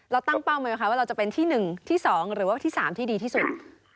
ตั้งเป้าไหมคะว่าเราจะเป็นที่๑ที่๒หรือว่าที่๓ที่ดีที่สุด